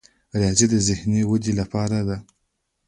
ریاضي د ذهني ودې لپاره ده.